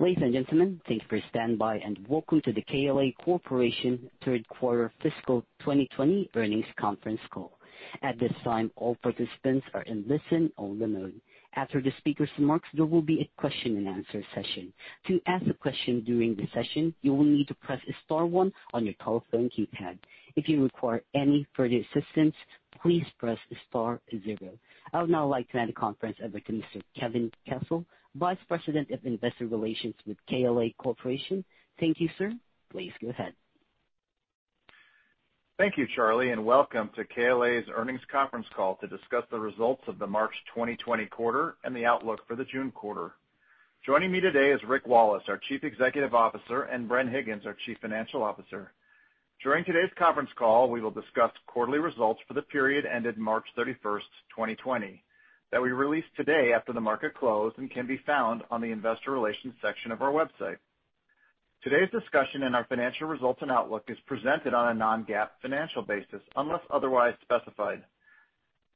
Ladies and gentlemen, thank you for standing by, and welcome to the KLA Corporation Third Quarter Fiscal 2020 Earnings Conference Call. At this time, all participants are in listen-only mode. After the speakers' remarks, there will be a question and answer session. To ask a question during the session, you will need to press star one on your telephone keypad. If you require any further assistance, please press star zero. I would now like to hand the conference over to Mr. Kevin Kessel, Vice President of Investor Relations with KLA Corporation. Thank you, sir. Please go ahead. Thank you, Charlie, and welcome to KLA's earnings conference call to discuss the results of the March 2020 quarter and the outlook for the June quarter. Joining me today is Rick Wallace, our Chief Executive Officer, and Bren Higgins, our Chief Financial Officer. During today's conference call, we will discuss quarterly results for the period ended March 31st, 2020, that we released today after the market close and can be found on the investor relations section of our website. Today's discussion and our financial results and outlook is presented on a non-GAAP financial basis, unless otherwise specified.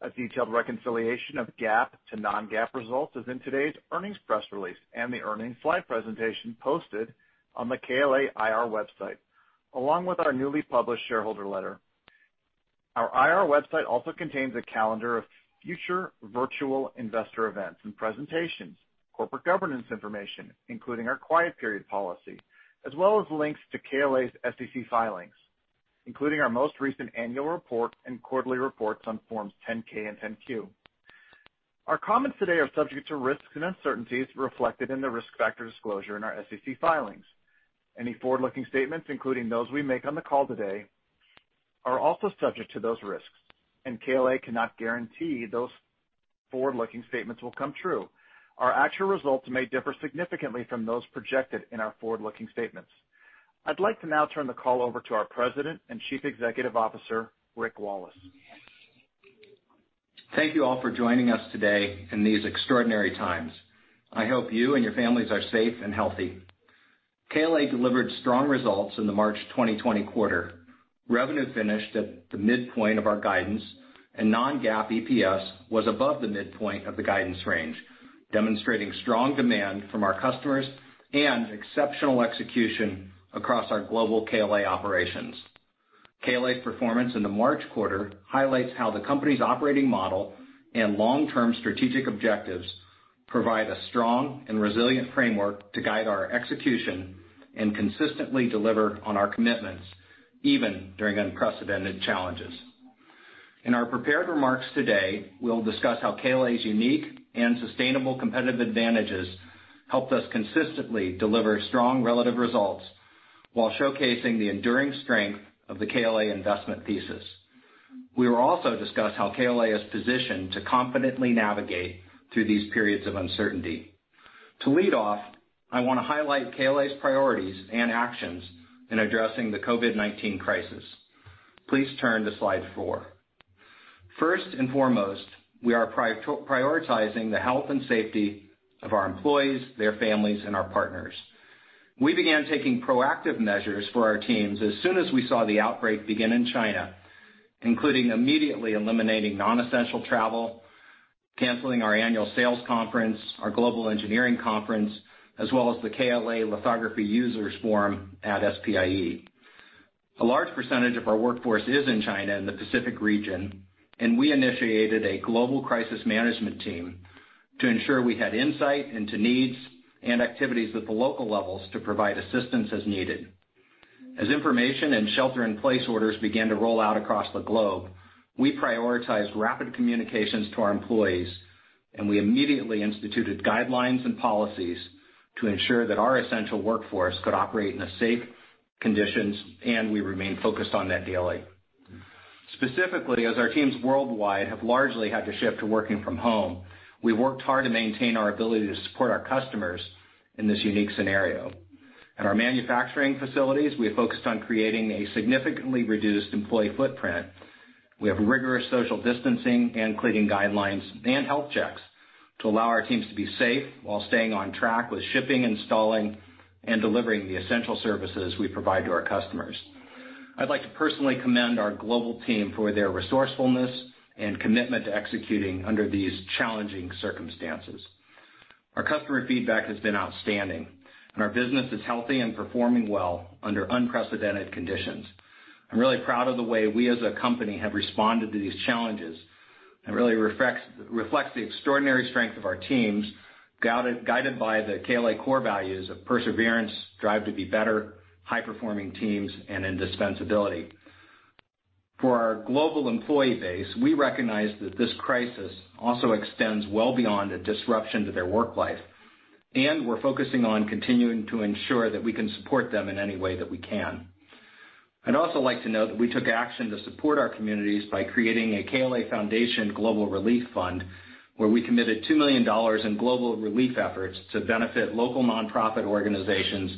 A detailed reconciliation of GAAP to non-GAAP results is in today's earnings press release and the earnings slide presentation posted on the KLA IR website, along with our newly published shareholder letter. Our IR website also contains a calendar of future virtual investor events and presentations, corporate governance information, including our quiet period policy, as well as links to KLA's SEC filings, including our most recent annual report and quarterly reports on forms 10-K and 10-Q. Our comments today are subject to risks and uncertainties reflected in the risk factor disclosure in our SEC filings. Any forward-looking statements, including those we make on the call today, are also subject to those risks, and KLA cannot guarantee those forward-looking statements will come true. Our actual results may differ significantly from those projected in our forward-looking statements. I'd like to now turn the call over to our President and Chief Executive Officer, Rick Wallace. Thank you all for joining us today in these extraordinary times. I hope you and your families are safe and healthy. KLA delivered strong results in the March 2020 quarter. Revenue finished at the midpoint of our guidance, and non-GAAP EPS was above the midpoint of the guidance range, demonstrating strong demand from our customers and exceptional execution across our global KLA operations. KLA's performance in the March quarter highlights how the company's operating model and long-term strategic objectives provide a strong and resilient framework to guide our execution and consistently deliver on our commitments, even during unprecedented challenges. In our prepared remarks today, we'll discuss how KLA's unique and sustainable competitive advantages helped us consistently deliver strong relative results while showcasing the enduring strength of the KLA investment thesis. We will also discuss how KLA is positioned to confidently navigate through these periods of uncertainty. To lead off, I want to highlight KLA's priorities and actions in addressing the COVID-19 crisis. Please turn to slide four. First and foremost, we are prioritizing the health and safety of our employees, their families, and our partners. We began taking proactive measures for our teams as soon as we saw the outbreak begin in China, including immediately eliminating non-essential travel, canceling our annual sales conference, our global engineering conference, as well as the KLA Lithography Users Forum at SPIE. A large percentage of our workforce is in China and the Pacific Region, and we initiated a global crisis management team to ensure we had insight into needs and activities at the local levels to provide assistance as needed. As information and shelter in place orders began to roll out across the globe, we prioritized rapid communications to our employees, and we immediately instituted guidelines and policies to ensure that our essential workforce could operate in safe conditions, and we remain focused on that daily. Specifically, as our teams worldwide have largely had to shift to working from home, we worked hard to maintain our ability to support our customers in this unique scenario. At our manufacturing facilities, we have focused on creating a significantly reduced employee footprint. We have rigorous social distancing and cleaning guidelines and health checks to allow our teams to be safe while staying on track with shipping, installing, and delivering the essential services we provide to our customers. I'd like to personally commend our global team for their resourcefulness and commitment to executing under these challenging circumstances. Our customer feedback has been outstanding, and our business is healthy and performing well under unprecedented conditions. I'm really proud of the way we as a company have responded to these challenges, and really reflects the extraordinary strength of our teams, guided by the KLA core values of perseverance, drive to be better, high-performing teams, and indispensability. For our global employee base, we recognize that this crisis also extends well beyond a disruption to their work life, and we're focusing on continuing to ensure that we can support them in any way that we can. I'd also like to note that we took action to support our communities by creating a KLA Foundation Global Relief Fund, where we committed $2 million in global relief efforts to benefit local nonprofit organizations,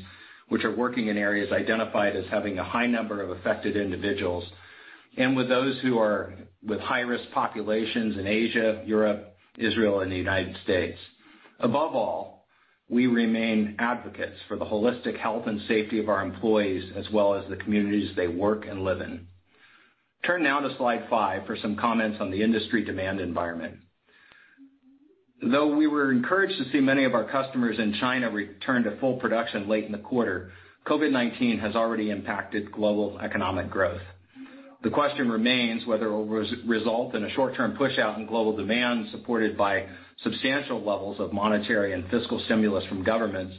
which are working in areas identified as having a high number of affected individuals, and with those who are with high-risk populations in Asia, Europe, Israel, and the United States. Above all, we remain advocates for the holistic health and safety of our employees, as well as the communities they work and live in. Turn now to slide five for some comments on the industry demand environment. We were encouraged to see many of our customers in China return to full production late in the quarter, COVID-19 has already impacted global economic growth. The question remains whether it will result in a short-term push-out in global demand supported by substantial levels of monetary and fiscal stimulus from governments,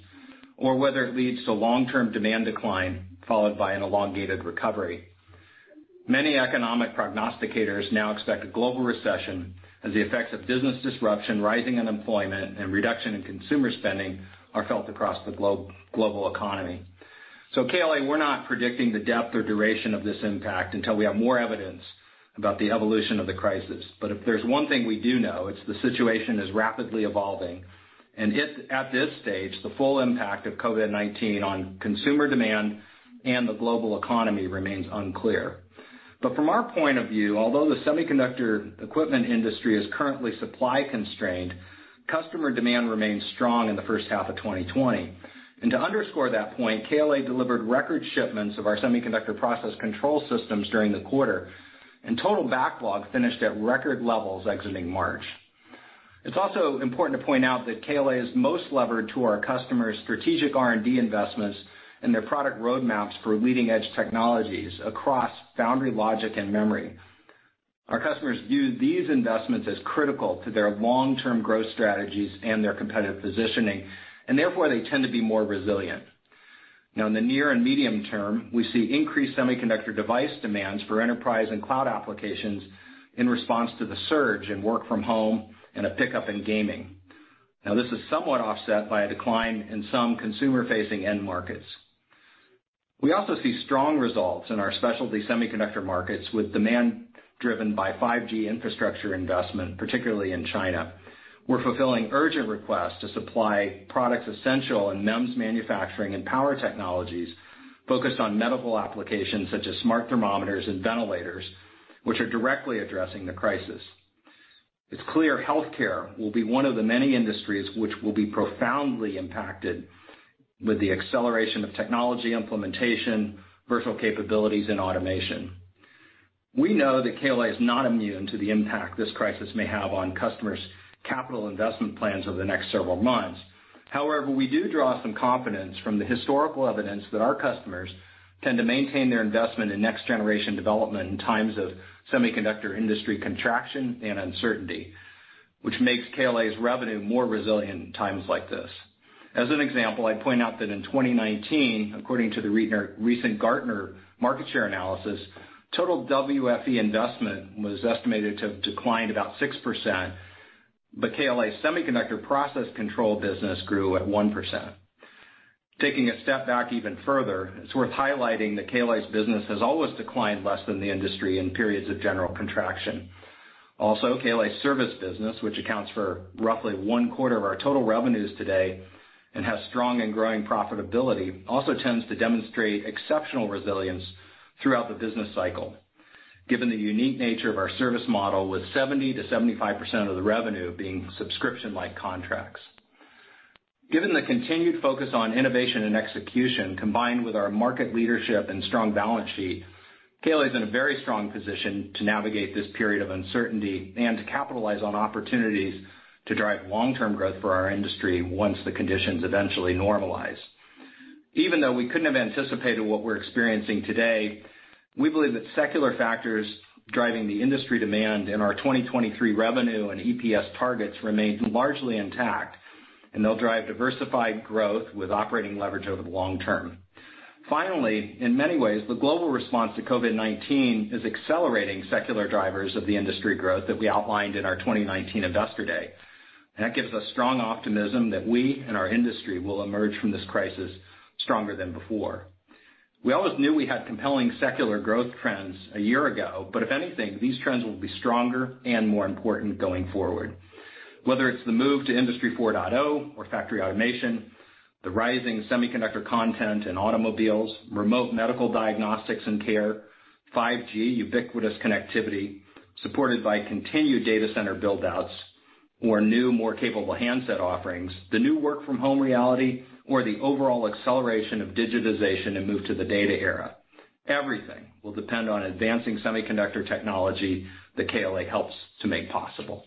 or whether it leads to long-term demand decline followed by an elongated recovery. Many economic prognosticators now expect a global recession as the effects of business disruption, rising unemployment, and reduction in consumer spending are felt across the global economy. At KLA, we're not predicting the depth or duration of this impact until we have more evidence about the evolution of the crisis. If there's one thing we do know, it's the situation is rapidly evolving, and at this stage, the full impact of COVID-19 on consumer demand and the global economy remains unclear. From our point of view, although the semiconductor equipment industry is currently supply-constrained, customer demand remains strong in the first half of 2020. To underscore that point, KLA delivered record shipments of our semiconductor process control systems during the quarter, and total backlog finished at record levels exiting March. It's also important to point out that KLA is most levered to our customers' strategic R&D investments and their product roadmaps for leading-edge technologies across foundry logic and memory. Our customers view these investments as critical to their long-term growth strategies and their competitive positioning, and therefore, they tend to be more resilient. In the near and medium term, we see increased semiconductor device demands for enterprise and cloud applications in response to the surge in work-from-home and a pickup in gaming. This is somewhat offset by a decline in some consumer-facing end markets. We also see strong results in our specialty semiconductor markets with demand driven by 5G infrastructure investment, particularly in China. We're fulfilling urgent requests to supply products essential in MEMS manufacturing and power technologies focused on medical applications such as smart thermometers and ventilators, which are directly addressing the crisis. It's clear healthcare will be one of the many industries which will be profoundly impacted with the acceleration of technology implementation, virtual capabilities, and automation. We know that KLA is not immune to the impact this crisis may have on customers' capital investment plans over the next several months. We do draw some confidence from the historical evidence that our customers tend to maintain their investment in next-generation development in times of semiconductor industry contraction and uncertainty, which makes KLA's revenue more resilient in times like this. As an example, I point out that in 2019, according to the recent Gartner market share analysis, total WFE investment was estimated to decline about 6%, but KLA semiconductor process control business grew at 1%. Taking a step back even further, it's worth highlighting that KLA's business has always declined less than the industry in periods of general contraction. KLA service business, which accounts for roughly one-quarter of our total revenues today and has strong and growing profitability, also tends to demonstrate exceptional resilience throughout the business cycle given the unique nature of our service model with 70%-75% of the revenue being subscription-like contracts. Given the continued focus on innovation and execution, combined with our market leadership and strong balance sheet, KLA is in a very strong position to navigate this period of uncertainty and to capitalize on opportunities to drive long-term growth for our industry once the conditions eventually normalize. Even though we couldn't have anticipated what we're experiencing today, we believe that secular factors driving the industry demand in our 2023 revenue and EPS targets remain largely intact, and they'll drive diversified growth with operating leverage over the long term. Finally, in many ways, the global response to COVID-19 is accelerating secular drivers of the industry growth that we outlined in our 2019 Investor Day. That gives us strong optimism that we and our industry will emerge from this crisis stronger than before. We always knew we had compelling secular growth trends a year ago, but if anything, these trends will be stronger and more important going forward. Whether it's the move to Industry 4.0 or factory automation, the rising semiconductor content in automobiles, remote medical diagnostics and care, 5G ubiquitous connectivity supported by continued data center build-outs or new, more capable handset offerings, the new work-from-home reality, or the overall acceleration of digitization and move to the data era, everything will depend on advancing semiconductor technology that KLA helps to make possible.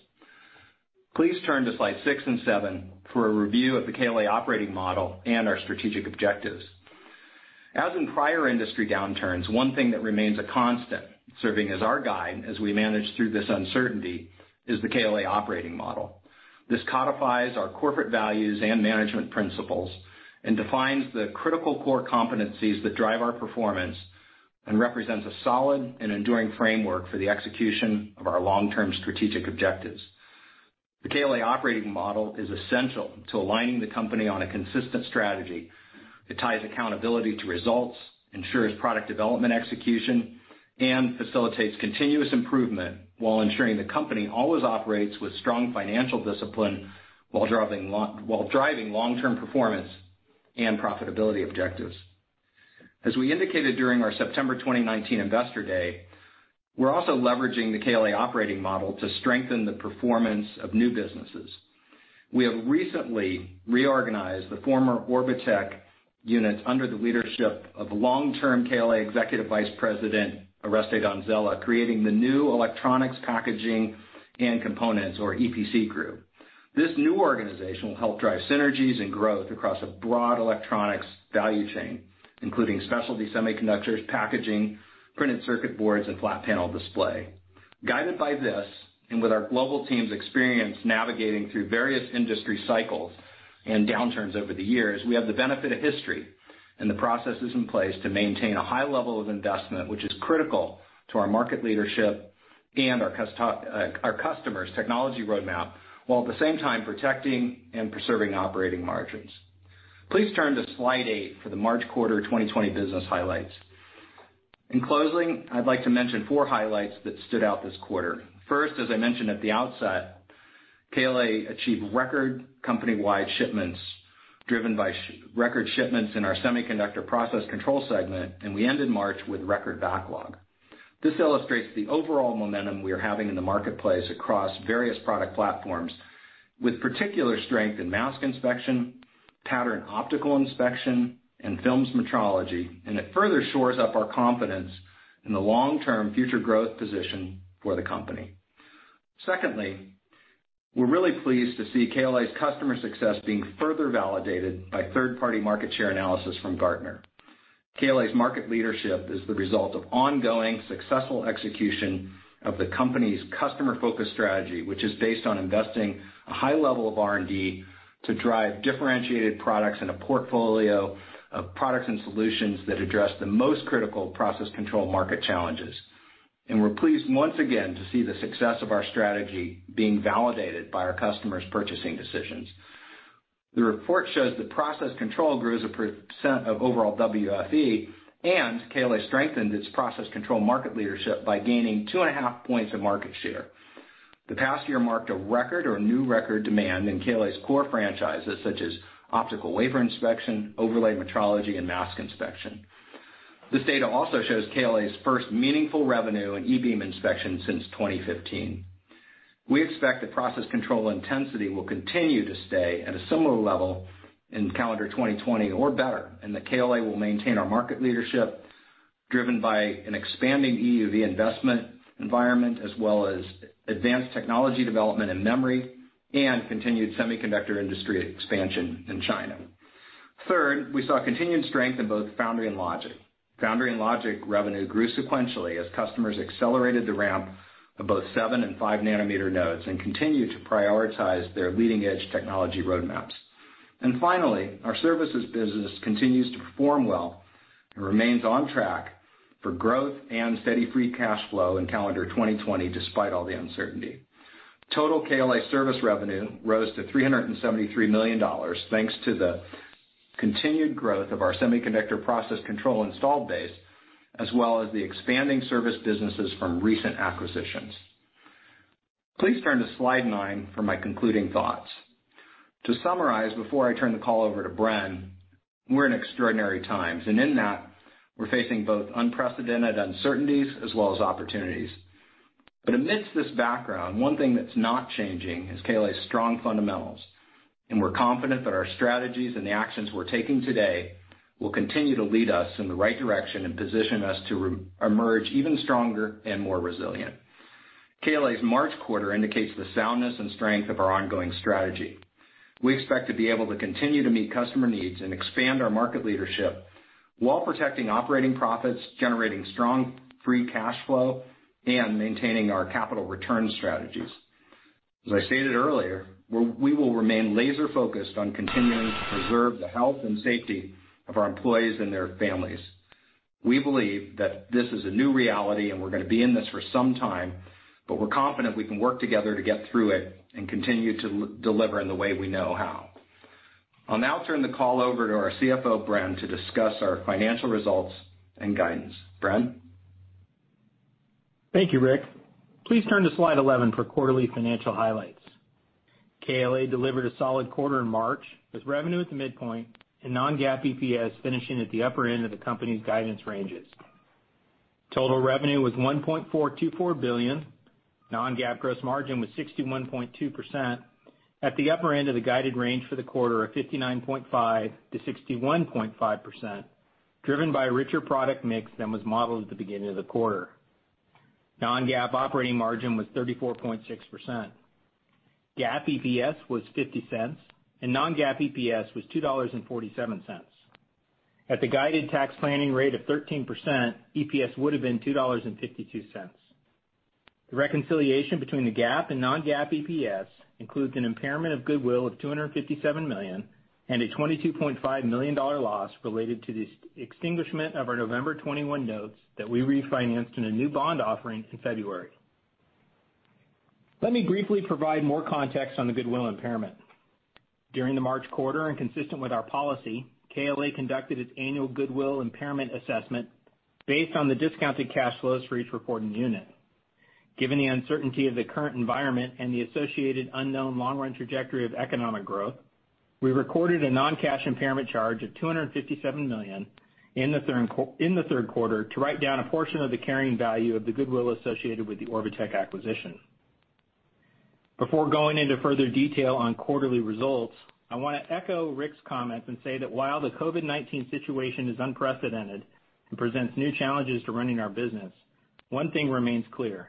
Please turn to slides six and seven for a review of the KLA operating model and our strategic objectives. As in prior industry downturns, one thing that remains a constant, serving as our guide as we manage through this uncertainty, is the KLA operating model. This codifies our corporate values and management principles and defines the critical core competencies that drive our performance and represents a solid and enduring framework for the execution of our long-term strategic objectives. The KLA operating model is essential to aligning the company on a consistent strategy that ties accountability to results, ensures product development execution, and facilitates continuous improvement while ensuring the company always operates with strong financial discipline while driving long-term performance and profitability objectives. As we indicated during our September 2019 Investor Day, we're also leveraging the KLA operating model to strengthen the performance of new businesses. We have recently reorganized the former Orbotech units under the leadership of long-term KLA Executive Vice President, Oreste Donzella, creating the new electronics packaging and components, or EPC Group. This new organization will help drive synergies and growth across a broad electronics value chain, including specialty semiconductors, packaging, printed circuit boards, and flat panel display. Guided by this, and with our global team's experience navigating through various industry cycles and downturns over the years, we have the benefit of history and the processes in place to maintain a high level of investment, which is critical to our market leadership and our customers' technology roadmap, while at the same time protecting and preserving operating margins. Please turn to slide eight for the March quarter 2020 business highlights. In closing, I'd like to mention four highlights that stood out this quarter. First, as I mentioned at the outset, KLA achieved record company-wide shipments driven by record shipments in our semiconductor process control segment. We ended March with record backlog. This illustrates the overall momentum we are having in the marketplace across various product platforms, with particular strength in mask inspection, patterned optical inspection, and films metrology. It further shores up our confidence in the long-term future growth position for the company. Secondly, we're really pleased to see KLA's customer success being further validated by third-party market share analysis from Gartner. KLA's market leadership is the result of ongoing successful execution of the company's customer-focused strategy, which is based on investing a high level of R&D to drive differentiated products in a portfolio of products and solutions that address the most critical process control market challenges. We're pleased once again to see the success of our strategy being validated by our customers' purchasing decisions. The report shows that process control grew as a percent of overall WFE, and KLA strengthened its process control market leadership by gaining 2.5 points of market share. The past year marked a record or a new record demand in KLA's core franchises such as optical wafer inspection, overlay metrology, and mask inspection. This data also shows KLA's first meaningful revenue in E-beam inspection since 2015. We expect the process control intensity will continue to stay at a similar level in calendar 2020 or better, and that KLA will maintain our market leadership, driven by an expanding EUV investment environment, as well as advanced technology development and memory, and continued semiconductor industry expansion in China. Third, we saw continued strength in both foundry and logic. Foundry and logic revenue grew sequentially as customers accelerated the ramp of both seven and 5 nm nodes and continued to prioritize their leading-edge technology roadmaps. Finally, our services business continues to perform well and remains on track for growth and steady free cash flow in calendar 2020, despite all the uncertainty. Total KLA service revenue rose to $373 million thanks to the continued growth of our semiconductor process control installed base, as well as the expanding service businesses from recent acquisitions. Please turn to slide nine for my concluding thoughts. To summarize, before I turn the call over to Bren, we're in extraordinary times. In that, we're facing both unprecedented uncertainties as well as opportunities. Amidst this background, one thing that's not changing is KLA's strong fundamentals, and we're confident that our strategies and the actions we're taking today will continue to lead us in the right direction and position us to emerge even stronger and more resilient. KLA's March quarter indicates the soundness and strength of our ongoing strategy. We expect to be able to continue to meet customer needs and expand our market leadership while protecting operating profits, generating strong free cash flow, and maintaining our capital return strategies. As I stated earlier, we will remain laser-focused on continuing to preserve the health and safety of our employees and their families. We believe that this is a new reality, and we're gonna be in this for some time, but we're confident we can work together to get through it and continue to deliver in the way we know how. I'll now turn the call over to our CFO, Bren, to discuss our financial results and guidance. Bren? Thank you, Rick. Please turn to slide 11 for quarterly financial highlights. KLA delivered a solid quarter in March with revenue at the midpoint and non-GAAP EPS finishing at the upper end of the company's guidance ranges. Total revenue was $1.424 billion. Non-GAAP gross margin was 61.2% at the upper end of the guided range for the quarter of 59.5%-61.5%, driven by a richer product mix than was modeled at the beginning of the quarter. Non-GAAP operating margin was 34.6%. GAAP EPS was $0.50, and non-GAAP EPS was $2.47. At the guided tax planning rate of 13%, EPS would have been $2.52. The reconciliation between the GAAP and non-GAAP EPS includes an impairment of goodwill of $257 million and a $22.5 million loss related to the extinguishment of our November 2021 notes that we refinanced in a new bond offering in February. Let me briefly provide more context on the goodwill impairment. During the March quarter and consistent with our policy, KLA conducted its annual goodwill impairment assessment based on the discounted cash flows for each reporting unit. Given the uncertainty of the current environment and the associated unknown long-run trajectory of economic growth, we recorded a non-cash impairment charge of $257 million in the third quarter to write down a portion of the carrying value of the goodwill associated with the Orbotech acquisition. Before going into further detail on quarterly results, I want to echo Rick's comments and say that while the COVID-19 situation is unprecedented and presents new challenges to running our business, one thing remains clear.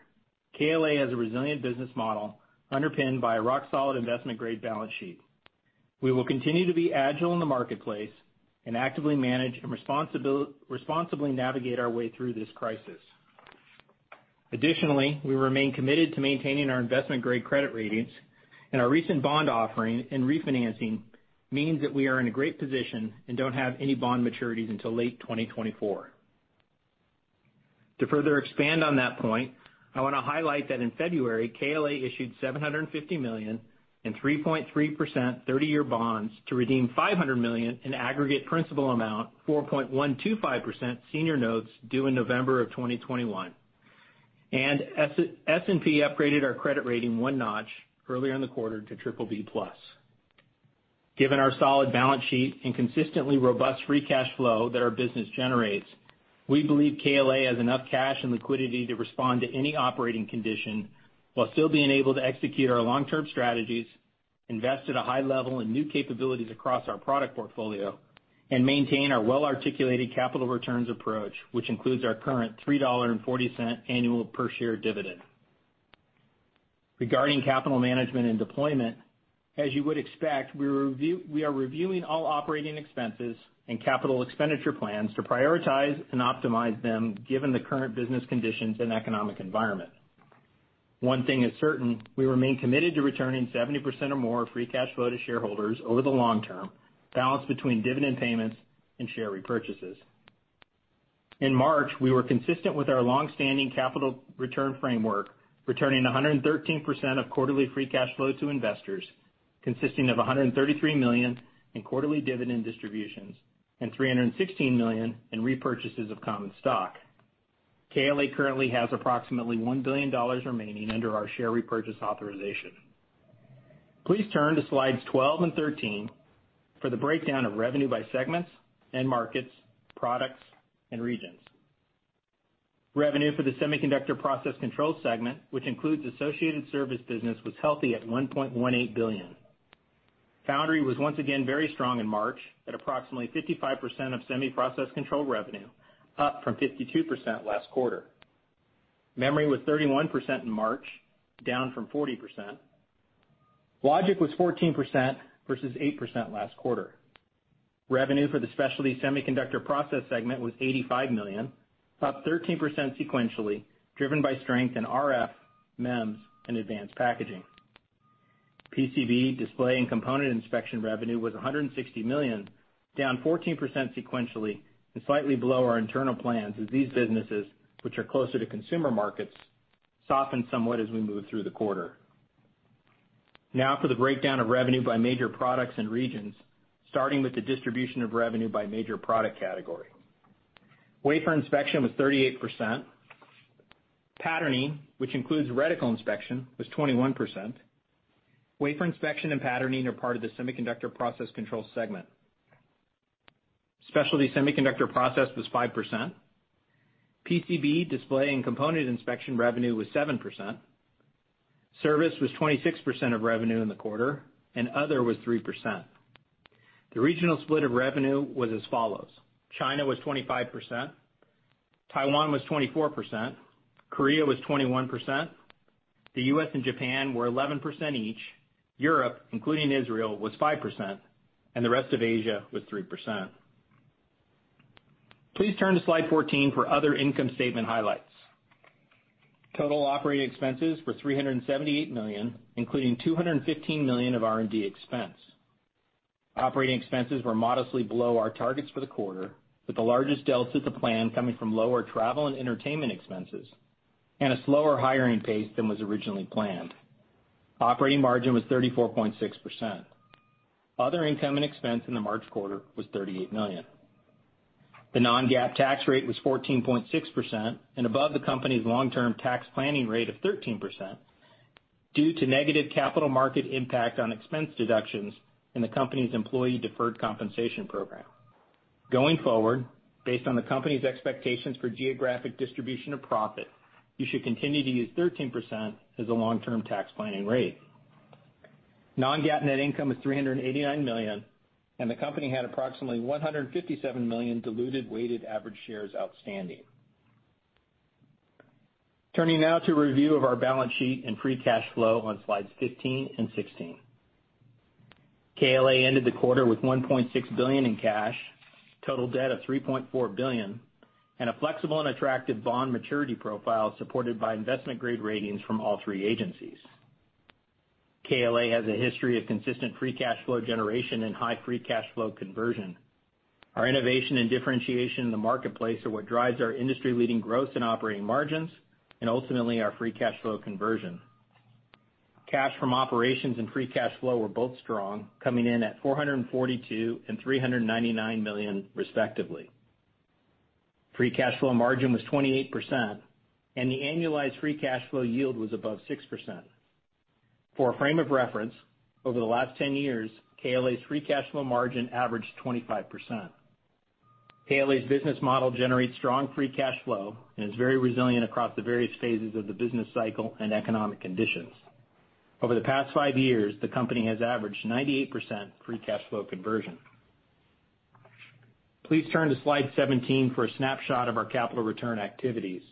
KLA has a resilient business model underpinned by a rock-solid investment-grade balance sheet. We will continue to be agile in the marketplace and actively manage and responsibly navigate our way through this crisis. Additionally, we remain committed to maintaining our investment-grade credit ratings, and our recent bond offering and refinancing means that we are in a great position and don't have any bond maturities until late 2024. To further expand on that point, I want to highlight that in February, KLA issued $750 million in 3.3% 30-year bonds to redeem $500 million in aggregate principal amount, 4.125% senior notes due in November of 2021. S&P upgraded our credit rating one notch earlier in the quarter to BBB+. Given our solid balance sheet and consistently robust free cash flow that our business generates, we believe KLA has enough cash and liquidity to respond to any operating condition while still being able to execute our long-term strategies, invest at a high level in new capabilities across our product portfolio, and maintain our well-articulated capital returns approach, which includes our current $3.40 annual per share dividend. Regarding capital management and deployment, as you would expect, we are reviewing all operating expenses and capital expenditure plans to prioritize and optimize them given the current business conditions and economic environment. One thing is certain, we remain committed to returning 70% or more of free cash flow to shareholders over the long term, balanced between dividend payments and share repurchases. In March, we were consistent with our longstanding capital return framework, returning 113% of quarterly free cash flow to investors, consisting of $133 million in quarterly dividend distributions and $316 million in repurchases of common stock. KLA currently has approximately $1 billion remaining under our share repurchase authorization. Please turn to slides 12 and 13 for the breakdown of revenue by segments, end markets, products, and regions. Revenue for the Semiconductor Process Controls Segment, which includes associated service business, was healthy at $1.18 billion. Foundry was once again very strong in March at approximately 55% of semi-process control revenue, up from 52% last quarter. Memory was 31% in March, down from 40%. Logic was 14% versus 8% last quarter. Revenue for the Specialty Semiconductor Process Segment was $85 million, up 13% sequentially, driven by strength in RF, MEMS, and advanced packaging. PCB display and component inspection revenue was $160 million, down 14% sequentially and slightly below our internal plans as these businesses, which are closer to consumer markets, softened somewhat as we moved through the quarter. For the breakdown of revenue by major products and regions, starting with the distribution of revenue by major product category. Wafer inspection was 38%. Patterning, which includes reticle inspection, was 21%. Wafer inspection and patterning are part of the semiconductor process control segment. Specialty semiconductor process was 5%. PCB display and component inspection revenue was 7%. Service was 26% of revenue in the quarter, and other was 3%. The regional split of revenue was as follows: China was 25%, Taiwan was 24%, Korea was 21%, the U.S. and Japan were 11% each, Europe, including Israel, was 5%, and the rest of Asia was 3%. Please turn to slide 14 for other income statement highlights. Total operating expenses were $378 million, including $215 million of R&D expense. Operating expenses were modestly below our targets for the quarter, with the largest delta to plan coming from lower travel and entertainment expenses and a slower hiring pace than was originally planned. Operating margin was 34.6%. Other income and expense in the March quarter was $38 million. The non-GAAP tax rate was 14.6% and above the company's long-term tax planning rate of 13% due to negative capital market impact on expense deductions in the company's employee deferred compensation program. Going forward, based on the company's expectations for geographic distribution of profit, you should continue to use 13% as a long-term tax planning rate. Non-GAAP net income was $389 million, and the company had approximately 157 million diluted weighted average shares outstanding. Turning now to a review of our balance sheet and free cash flow on slides 15 and 16. KLA ended the quarter with $1.6 billion in cash, total debt of $3.4 billion, and a flexible and attractive bond maturity profile supported by investment-grade ratings from all three agencies. KLA has a history of consistent free cash flow generation and high free cash flow conversion. Our innovation and differentiation in the marketplace are what drives our industry-leading growth and operating margins and ultimately our free cash flow conversion. Cash from operations and free cash flow were both strong, coming in at $442 million and $399 million respectively. Free cash flow margin was 28%, and the annualized free cash flow yield was above 6%. For a frame of reference, over the last 10 years, KLA's free cash flow margin averaged 25%. KLA's business model generates strong free cash flow and is very resilient across the various phases of the business cycle and economic conditions. Over the past five years, the company has averaged 98% free cash flow conversion. Please turn to slide 17 for a snapshot of our capital return activities.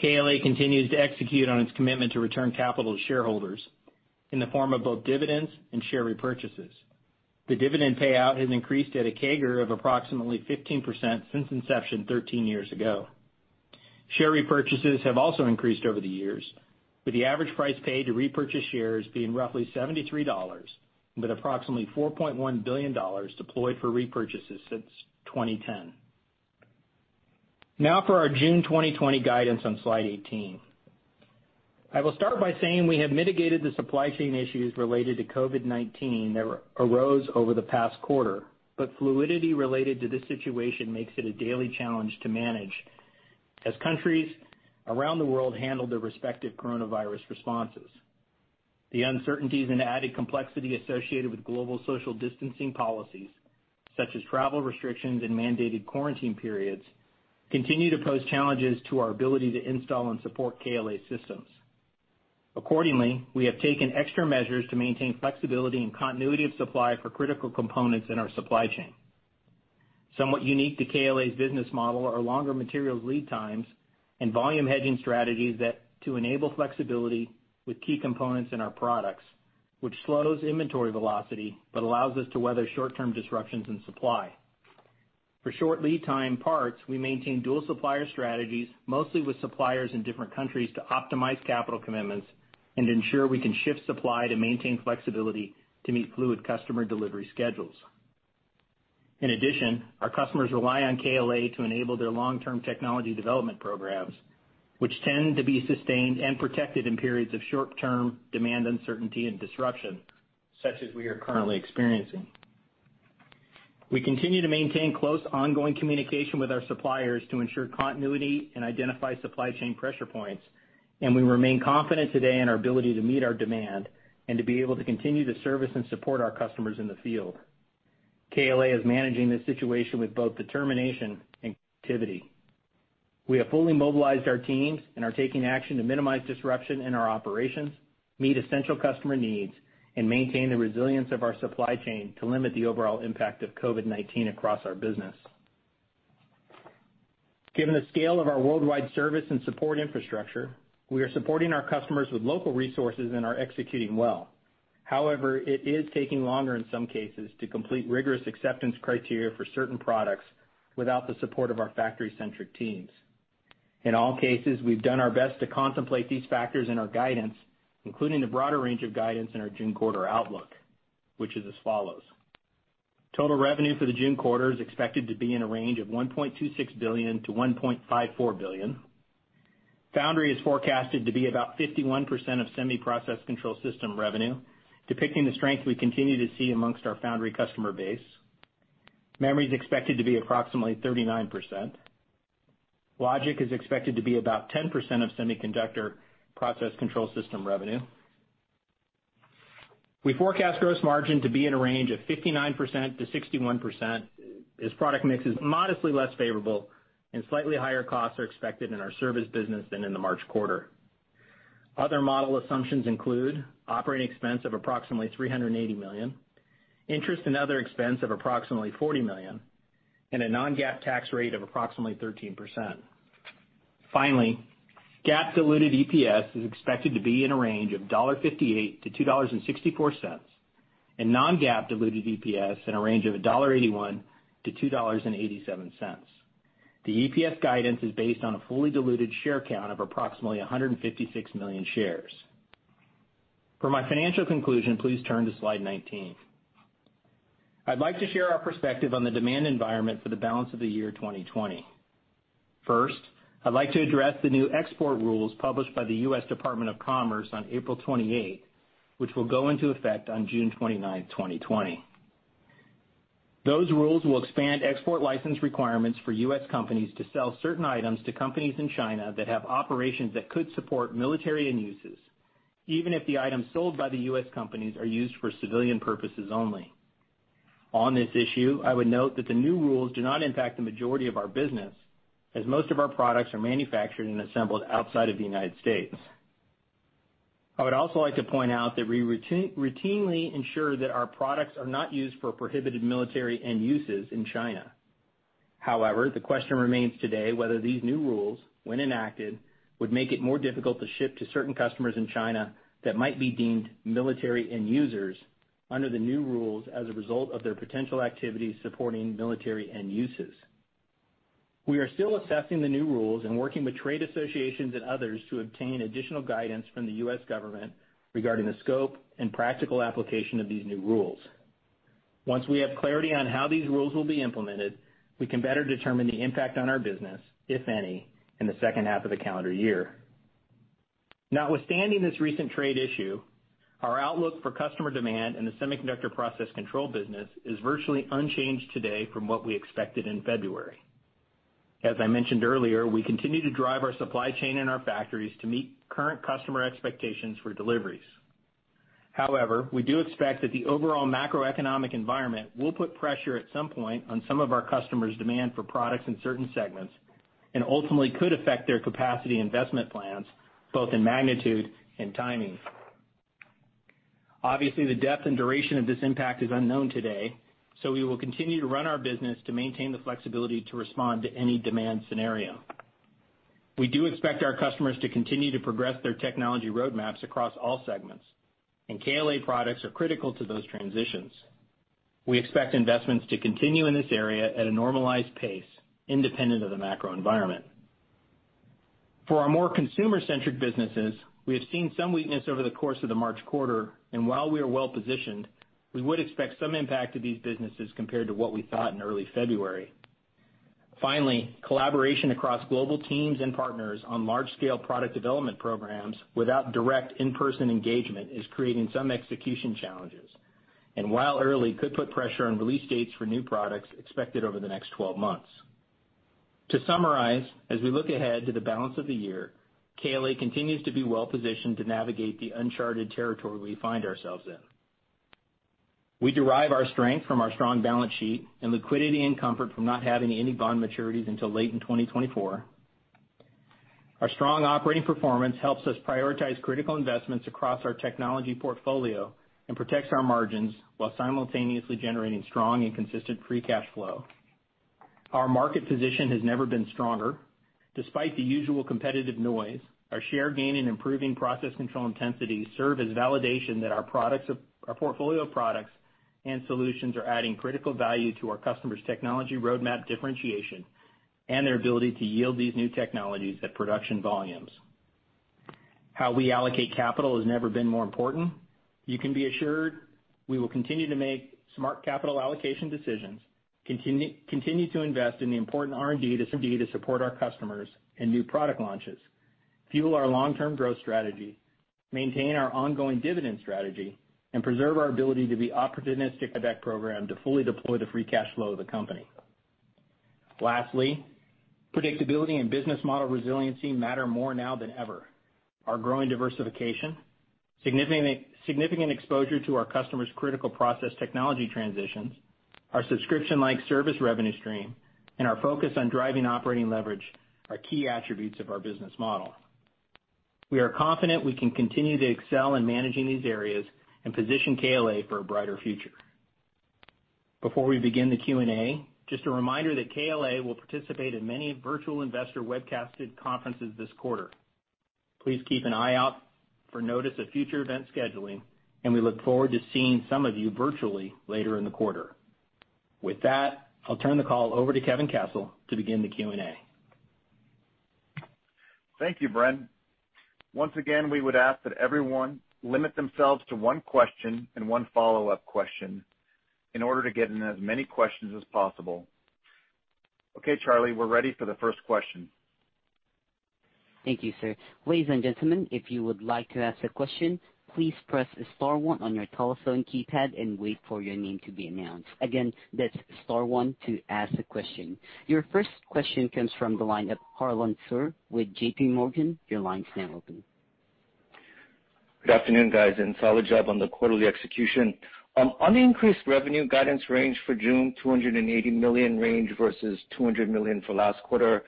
KLA continues to execute on its commitment to return capital to shareholders in the form of both dividends and share repurchases. The dividend payout has increased at a CAGR of approximately 15% since inception 13 years ago. Share repurchases have also increased over the years, with the average price paid to repurchase shares being roughly $73, with approximately $4.1 billion deployed for repurchases since 2010. Now for our June 2020 guidance on slide 18. I will start by saying we have mitigated the supply chain issues related to COVID-19 that arose over the past quarter. Fluidity related to this situation makes it a daily challenge to manage as countries around the world handle their respective coronavirus responses. The uncertainties and added complexity associated with global social distancing policies, such as travel restrictions and mandated quarantine periods, continue to pose challenges to our ability to install and support KLA systems. Accordingly, we have taken extra measures to maintain flexibility and continuity of supply for critical components in our supply chain. Somewhat unique to KLA's business model are longer materials lead times and volume hedging strategies that enable flexibility with key components in our products, which slows inventory velocity but allows us to weather short-term disruptions in supply. For short lead time parts, we maintain dual supplier strategies, mostly with suppliers in different countries to optimize capital commitments and ensure we can shift supply to maintain flexibility to meet fluid customer delivery schedules. In addition, our customers rely on KLA to enable their long-term technology development programs, which tend to be sustained and protected in periods of short-term demand uncertainty and disruption, such as we are currently experiencing. We continue to maintain close ongoing communication with our suppliers to ensure continuity and identify supply chain pressure points, and we remain confident today in our ability to meet our demand and to be able to continue to service and support our customers in the field. KLA is managing this situation with both determination and activity. We have fully mobilized our teams and are taking action to minimize disruption in our operations, meet essential customer needs, and maintain the resilience of our supply chain to limit the overall impact of COVID-19 across our business. Given the scale of our worldwide service and support infrastructure, we are supporting our customers with local resources and are executing well. However, it is taking longer in some cases to complete rigorous acceptance criteria for certain products without the support of our factory-centric teams. In all cases, we've done our best to contemplate these factors in our guidance, including the broader range of guidance in our June quarter outlook, which is as follows. Total revenue for the June quarter is expected to be in a range of $1.26 billion-$1.54 billion. Foundry is forecasted to be about 51% of semi-process control system revenue, depicting the strength we continue to see amongst our foundry customer base. Memory is expected to be approximately 39%. Logic is expected to be about 10% of semiconductor process control system revenue. We forecast gross margin to be in a range of 59%-61%, as product mix is modestly less favorable and slightly higher costs are expected in our service business than in the March quarter. Other model assumptions include operating expense of approximately $380 million, interest and other expense of approximately $40 million, and a non-GAAP tax rate of approximately 13%. Finally, GAAP diluted EPS is expected to be in a range of $1.58-$2.64, and non-GAAP diluted EPS in a range of $1.81-$2.87. The EPS guidance is based on a fully diluted share count of approximately 156 million shares. For my financial conclusion, please turn to slide 19. I'd like to share our perspective on the demand environment for the balance of the year 2020. First, I'd like to address the new export rules published by the U.S. Department of Commerce on April 28, which will go into effect on June 29, 2020. Those rules will expand export license requirements for U.S. companies to sell certain items to companies in China that have operations that could support military end uses, even if the items sold by the U.S. companies are used for civilian purposes only. On this issue, I would note that the new rules do not impact the majority of our business, as most of our products are manufactured and assembled outside of the United States. I would also like to point out that we routinely ensure that our products are not used for prohibited military end uses in China. However, the question remains today whether these new rules, when enacted, would make it more difficult to ship to certain customers in China that might be deemed military end users under the new rules as a result of their potential activities supporting military end uses. We are still assessing the new rules and working with trade associations and others to obtain additional guidance from the U.S. government regarding the scope and practical application of these new rules. Once we have clarity on how these rules will be implemented, we can better determine the impact on our business, if any, in the second half of the calendar year. Notwithstanding this recent trade issue, our outlook for customer demand in the semiconductor process control business is virtually unchanged today from what we expected in February. As I mentioned earlier, we continue to drive our supply chain and our factories to meet current customer expectations for deliveries. However, we do expect that the overall macroeconomic environment will put pressure at some point on some of our customers' demand for products in certain segments, and ultimately could affect their capacity investment plans, both in magnitude and timing. Obviously, the depth and duration of this impact is unknown today. We will continue to run our business to maintain the flexibility to respond to any demand scenario. We do expect our customers to continue to progress their technology roadmaps across all segments, and KLA products are critical to those transitions. We expect investments to continue in this area at a normalized pace, independent of the macro environment. For our more consumer-centric businesses, we have seen some weakness over the course of the March quarter, and while we are well-positioned, we would expect some impact to these businesses compared to what we thought in early February. Finally, collaboration across global teams and partners on large-scale product development programs without direct in-person engagement is creating some execution challenges, and while early, could put pressure on release dates for new products expected over the next 12 months. To summarize, as we look ahead to the balance of the year, KLA continues to be well-positioned to navigate the uncharted territory we find ourselves in. We derive our strength from our strong balance sheet and liquidity and comfort from not having any bond maturities until late in 2024. Our strong operating performance helps us prioritize critical investments across our technology portfolio and protects our margins while simultaneously generating strong and consistent free cash flow. Our market position has never been stronger. Despite the usual competitive noise, our share gain in improving process control intensity serve as validation that our portfolio of products and solutions are adding critical value to our customers' technology roadmap differentiation and their ability to yield these new technologies at production volumes. How we allocate capital has never been more important. You can be assured we will continue to make smart capital allocation decisions, continue to invest in the important R&D to support our customers and new product launches, fuel our long-term growth strategy, maintain our ongoing dividend strategy, and preserve our ability to be opportunistic with that program to fully deploy the free cash flow of the company. Lastly, predictability and business model resiliency matter more now than ever. Our growing diversification, significant exposure to our customers' critical process technology transitions, our subscription-like service revenue stream, and our focus on driving operating leverage are key attributes of our business model. We are confident we can continue to excel in managing these areas and position KLA for a brighter future. Before we begin the Q&A, just a reminder that KLA will participate in many virtual investor webcasted conferences this quarter. Please keep an eye out for notice of future event scheduling, and we look forward to seeing some of you virtually later in the quarter. With that, I'll turn the call over to Kevin Kessel to begin the Q&A. Thank you, Bren. Once again, we would ask that everyone limit themselves to one question and one follow-up question in order to get in as many questions as possible. Okay, Charlie, we're ready for the first question. Thank you, sir. Ladies and gentlemen, if you would like to ask a question, please press star one on your telephone keypad and wait for your name to be announced. Again, that's star one to ask a question. Your first question comes from the line of Harlan Sur with JPMorgan. Your line's now open. Good afternoon, guys. Solid job on the quarterly execution. On the increased revenue guidance range for June, $280 million range versus $200 million for last quarter,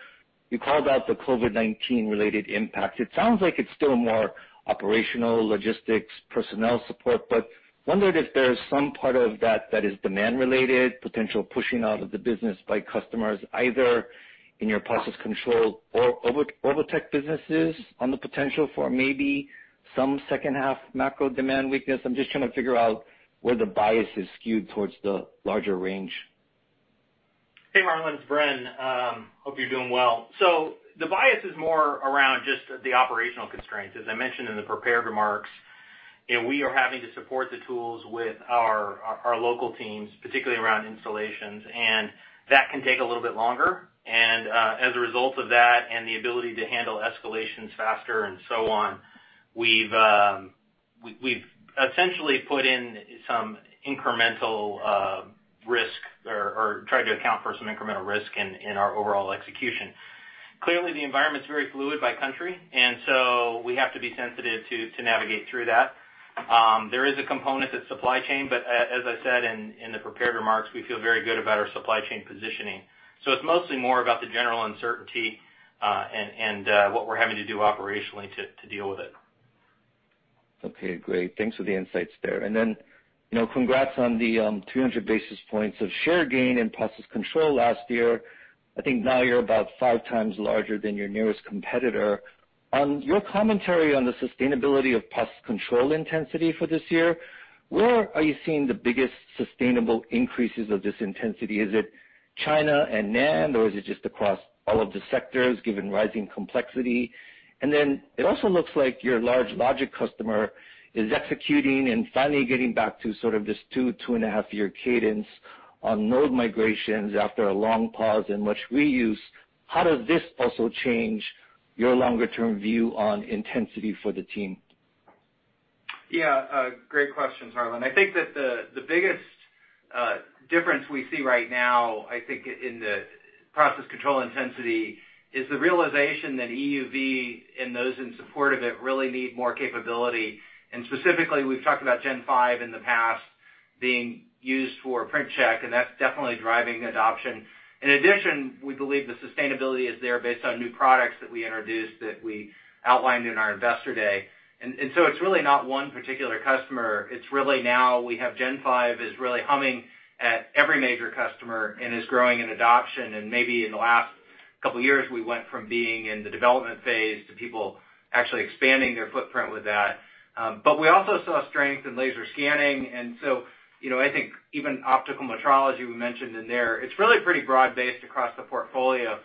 you called out the COVID-19-related impact. It sounds like it's still more operational, logistics, personnel support, but wondered if there's some part of that that is demand related, potential pushing out of the business by customers, either in your process control or Orbotech businesses on the potential for maybe some second half macro demand weakness. I'm just trying to figure out where the bias is skewed towards the larger range. Hey, Harlan, it's Bren. Hope you're doing well. The bias is more around just the operational constraints. As I mentioned in the prepared remarks, we are having to support the tools with our local teams, particularly around installations, and that can take a little bit longer. As a result of that and the ability to handle escalations faster and so on, we've essentially put in some incremental risk or tried to account for some incremental risk in our overall execution. Clearly, the environment's very fluid by country, we have to be sensitive to navigate through that. There is a component that's supply chain, as I said in the prepared remarks, we feel very good about our supply chain positioning. It's mostly more about the general uncertainty, and what we're having to do operationally to deal with it. Okay, great. Thanks for the insights there. Congrats on the 200 basis points of share gain in process control last year. I think now you're about five times larger than your nearest competitor. On your commentary on the sustainability of process control intensity for this year, where are you seeing the biggest sustainable increases of this intensity? Is it China and NAND, or is it just across all of the sectors, given rising complexity? It also looks like your large logic customer is executing and finally getting back to sort of this 2.5 year cadence on node migrations after a long pause in which we use. How does this also change your longer-term view on intensity for the team? Yeah. Great question, Harlan. I think that the biggest difference we see right now, I think in the process control intensity, is the realization that EUV and those in support of it really need more capability. Specifically, we've talked about Gen 5 in the past being used for print check, and that's definitely driving adoption. In addition, we believe the sustainability is there based on new products that we introduced, that we outlined in our investor day. So it's really not one particular customer. It's really now we have Gen 5 is really humming at every major customer and is growing in adoption. Maybe in the last couple of years, we went from being in the development phase to people actually expanding their footprint with that. We also saw strength in laser scanning, and so, I think even optical metrology we mentioned in there. It's really pretty broad-based across the portfolio.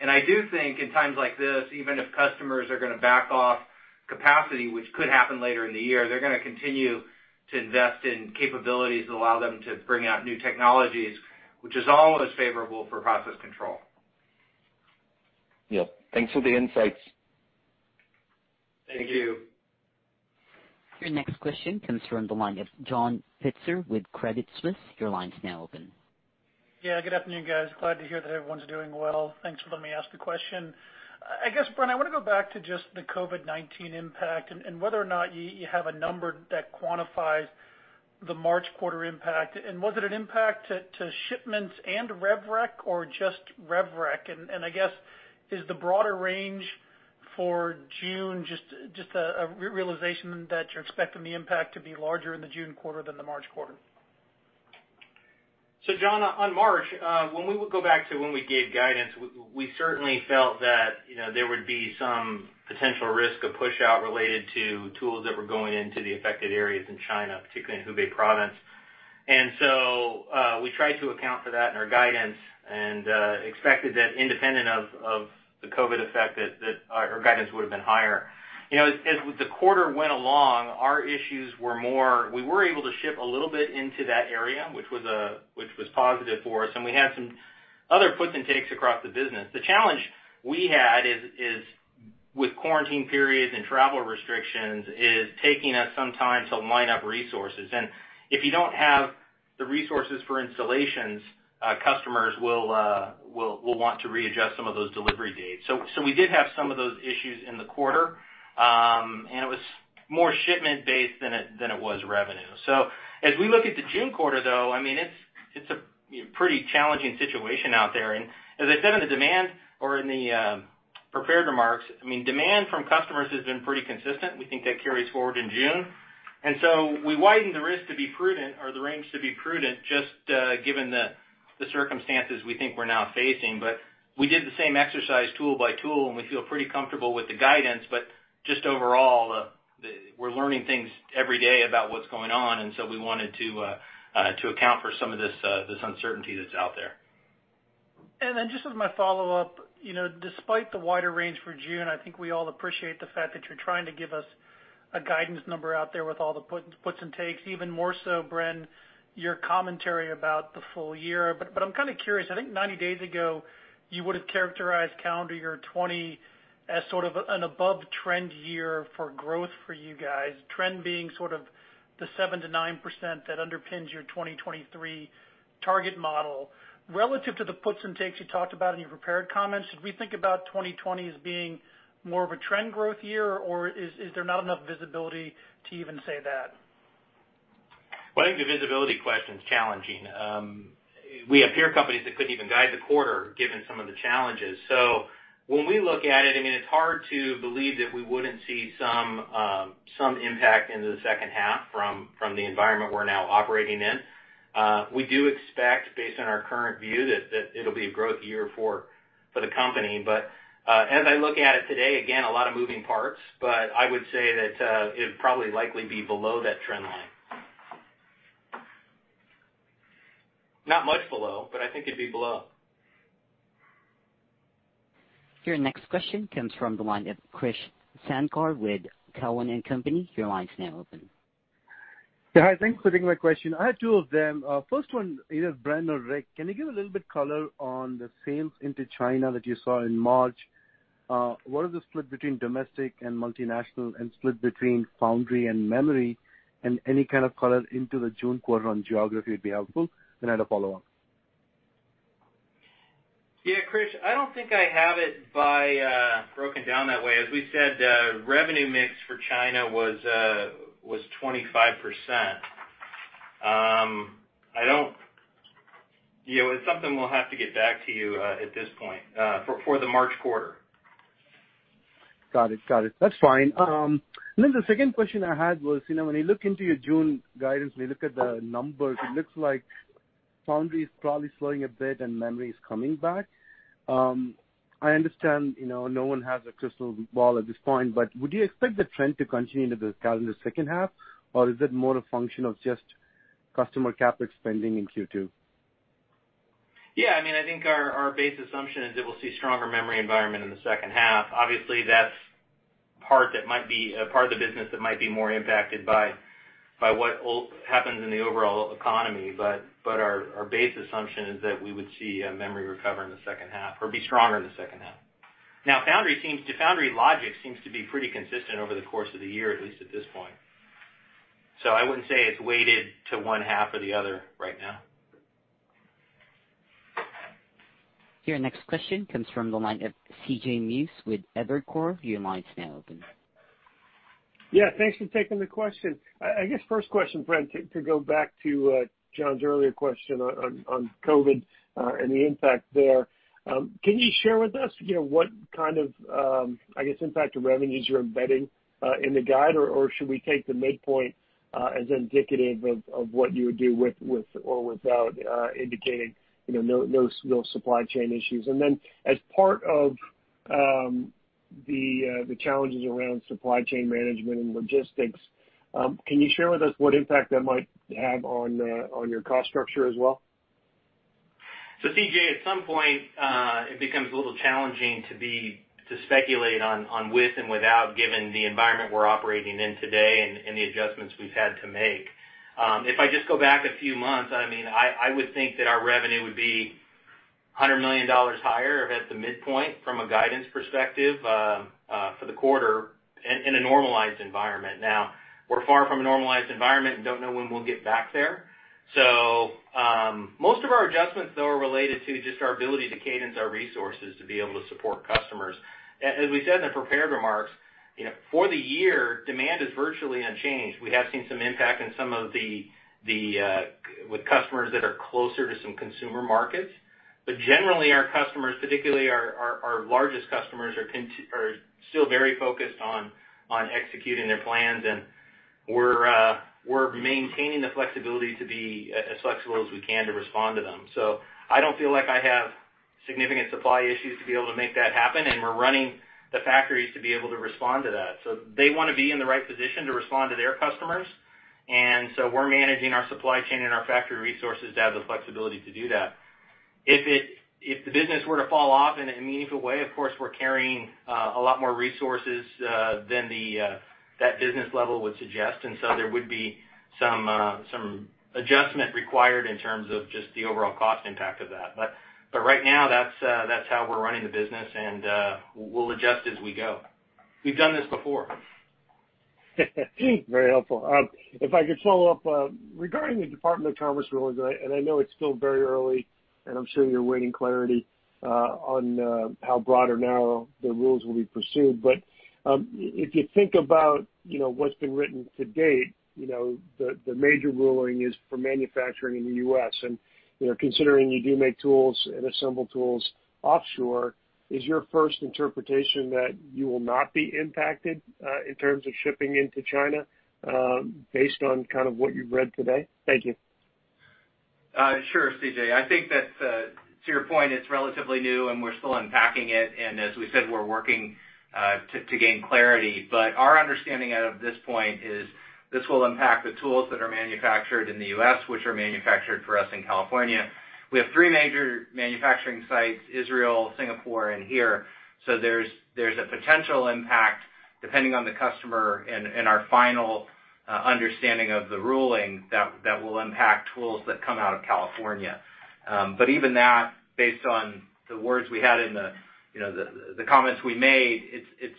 I do think in times like this, even if customers are going to back off capacity, which could happen later in the year, they're going to continue to invest in capabilities that allow them to bring out new technologies, which is always favorable for process control. Yeah. Thanks for the insights. Thank you. Your next question comes from the line of John Pitzer with Credit Suisse. Your line's now open. Yeah, good afternoon, guys. Glad to hear that everyone's doing well. Thanks for letting me ask a question. I guess, Bren, I want to go back to just the COVID-19 impact and whether or not you have a number that quantifies the March quarter impact. Was it an impact to shipments and rev rec or just rev rec? I guess, is the broader range for June just a realization that you're expecting the impact to be larger in the June quarter than the March quarter? John, on March, when we would go back to when we gave guidance, we certainly felt that there would be some potential risk of push out related to tools that were going into the affected areas in China, particularly in Hubei province. We tried to account for that in our guidance and expected that independent of the COVID effect, our guidance would have been higher. As the quarter went along, we were able to ship a little bit into that area, which was positive for us, and we had some other puts and takes across the business. The challenge we had is with quarantine periods and travel restrictions, is taking us some time to line up resources. If you don't have the resources for installations, customers will want to readjust some of those delivery dates. We did have some of those issues in the quarter, and it was more shipment based than it was revenue. As we look at the June quarter, though, it's a pretty challenging situation out there. As I said in the demand or in the prepared remarks, demand from customers has been pretty consistent. We think that carries forward in June. We widened the risk to be prudent or the range to be prudent, just given the circumstances we think we're now facing. We did the same exercise tool by tool, and we feel pretty comfortable with the guidance, but just overall, we're learning things every day about what's going on, and so we wanted to account for some of this uncertainty that's out there. Just as my follow-up, despite the wider range for June, I think we all appreciate the fact that you're trying to give us a guidance number out there with all the puts and takes, even more so, Bren, your commentary about the full year. I'm kind of curious, I think 90 days ago, you would have characterized calendar year 2020 as sort of an above-trend year for growth for you guys, trend being sort of the 7%-9% that underpins your 2023 target model. Relative to the puts and takes you talked about in your prepared comments, should we think about 2020 as being more of a trend growth year, or is there not enough visibility to even say that? Well, I think the visibility question's challenging. We have peer companies that couldn't even guide the quarter given some of the challenges. When we look at it's hard to believe that we wouldn't see some impact into the second half from the environment we're now operating in. We do expect, based on our current view, that it'll be a growth year for the company. As I look at it today, again, a lot of moving parts, but I would say that it would probably likely be below that trend line. Not much below, but I think it'd be below. Your next question comes from the line of Krish Sankar with Cowen and Company. Your line's now open. Yeah. Hi, thanks for taking my question. I have two of them. First one, either Bren or Rick, can you give a little bit color on the sales into China that you saw in March? What is the split between domestic and multinational, and split between foundry and memory, and any kind of color into the June quarter on geography would be helpful. I had a follow-up. Yeah, Krish, I don't think I have it broken down that way. As we said, revenue mix for China was 25%. It's something we'll have to get back to you at this point, for the March quarter. Got it. That's fine. The second question I had was, when you look into your June guidance, when you look at the numbers, it looks like foundry is probably slowing a bit and memory is coming back. I understand, no one has a crystal ball at this point, but would you expect the trend to continue into the calendar second half, or is it more a function of just customer CapEx spending in Q2? Yeah, I think our base assumption is that we'll see stronger memory environment in the second half. Obviously, that's a part of the business that might be more impacted by what happens in the overall economy. Our base assumption is that we would see memory recover in the second half or be stronger in the second half. Foundry logic seems to be pretty consistent over the course of the year, at least at this point. I wouldn't say it's weighted to 1/2 or the other right now. Your next question comes from the line of C.J. Muse with Evercore. Your line is now open. Yeah, thanks for taking the question. I guess first question, Bren, to go back to John's earlier question on COVID and the impact there, can you share with us what kind of impact to revenues you're embedding in the guide? Or should we take the midpoint as indicative of what you would do with or without indicating no supply chain issues? Then as part of the challenges around supply chain management and logistics, can you share with us what impact that might have on your cost structure as well? CJ, at some point, it becomes a little challenging to speculate on with and without, given the environment we're operating in today and the adjustments we've had to make. If I just go back a few months, I would think that our revenue would be $100 million higher at the midpoint from a guidance perspective for the quarter in a normalized environment. We're far from a normalized environment and don't know when we'll get back there. Most of our adjustments, though, are related to just our ability to cadence our resources to be able to support customers. As we said in the prepared remarks, for the year, demand is virtually unchanged. We have seen some impact with customers that are closer to some consumer markets. Generally, our customers, particularly our largest customers, are still very focused on executing their plans, and we're maintaining the flexibility to be as flexible as we can to respond to them. I don't feel like I have significant supply issues to be able to make that happen, and we're running the factories to be able to respond to that. They want to be in the right position to respond to their customers. We're managing our supply chain and our factory resources to have the flexibility to do that. If the business were to fall off in a meaningful way, of course, we're carrying a lot more resources than that business level would suggest, and so there would be some adjustment required in terms of just the overall cost impact of that. Right now, that's how we're running the business, and we'll adjust as we go. We've done this before. Very helpful. If I could follow up, regarding the Department of Commerce rulings, and I know it's still very early, and I'm sure you're waiting clarity on how broad or narrow the rules will be pursued. If you think about what's been written to date, the major ruling is for manufacturing in the U.S. Considering you do make tools and assemble tools offshore, is your first interpretation that you will not be impacted in terms of shipping into China based on kind of what you've read today? Thank you. Sure, C.J. I think that to your point, it's relatively new, and we're still unpacking it. As we said, we're working to gain clarity. Our understanding at this point is this will impact the tools that are manufactured in the U.S., which are manufactured for us in California. We have three major manufacturing sites, Israel, Singapore, and here, so there's a potential impact, depending on the customer and our final understanding of the ruling, that will impact tools that come out of California. Even that, based on the words we had in the comments we made, it's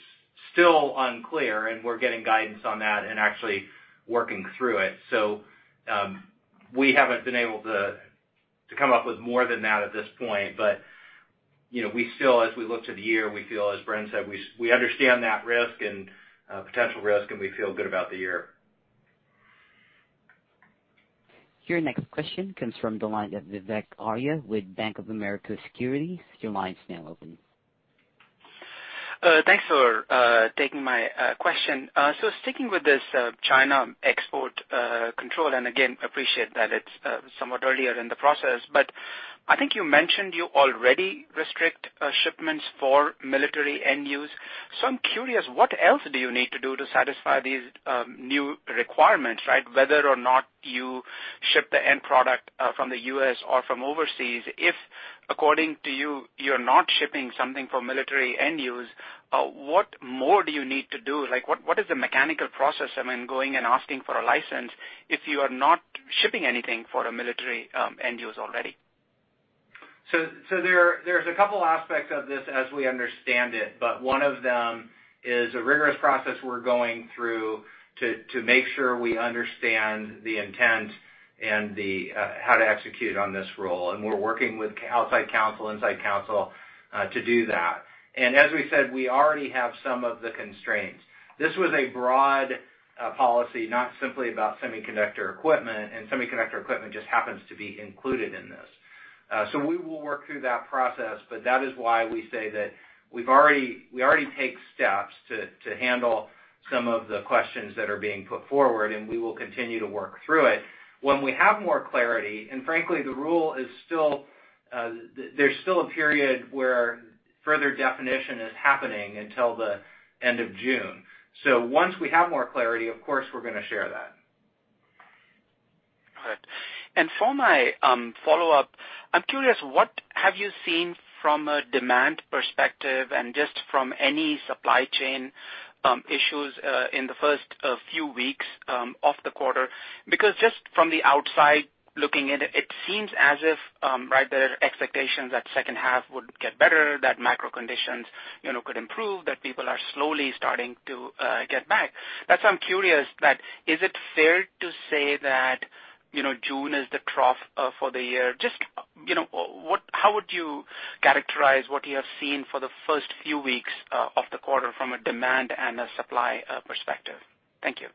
still unclear, and we're getting guidance on that and actually working through it. We haven't been able to come up with more than that at this point. As we look to the year, we feel as Bren said, we understand that risk and potential risk, and we feel good about the year. Your next question comes from the line of Vivek Arya with Bank of America Securities. Your line is now open. Thanks for taking my question. Sticking with this China export control, and again, appreciate that it's somewhat earlier in the process, but I think you mentioned you already restrict shipments for military end use. I'm curious, what else do you need to do to satisfy these new requirements, right? Whether or not you ship the end product from the U.S. or from overseas. If according to you're not shipping something for military end use, what more do you need to do? What is the mechanical process, I mean, going and asking for a license if you are not shipping anything for a military end use already? There's a couple aspects of this as we understand it, but one of them is a rigorous process we're going through to make sure we understand the intent and how to execute on this rule. We're working with outside counsel, inside counsel to do that. As we said, we already have some of the constraints. This was a broad policy, not simply about semiconductor equipment, and semiconductor equipment just happens to be included in this. We will work through that process, but that is why we say that we already take steps to handle some of the questions that are being put forward, and we will continue to work through it. When we have more clarity, and frankly, there's still a period where further definition is happening until the end of June. Once we have more clarity, of course, we're going to share that. For my follow-up, I'm curious, what have you seen from a demand perspective and just from any supply chain issues in the first few weeks of the quarter? Because just from the outside looking in, it seems as if there are expectations that second half would get better, that macro conditions could improve, that people are slowly starting to get back. That's why I'm curious that is it fair to say that June is the trough for the year? Just how would you characterize what you have seen for the first few weeks of the quarter from a demand and a supply perspective? Thank you.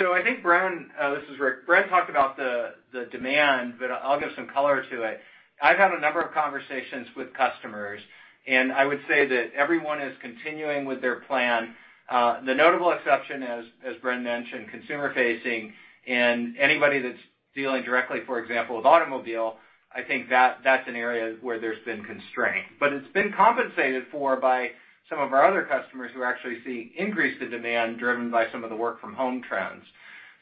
I think Bren, this is Rick. Bren talked about the demand, I'll give some color to it. I've had a number of conversations with customers, and I would say that everyone is continuing with their plan. The notable exception as Bren mentioned, consumer facing and anybody that's dealing directly, for example, with automobile, I think that's an area where there's been constraint. It's been compensated for by some of our other customers who are actually seeing increase to demand driven by some of the work from home trends.